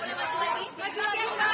mau lancar lagi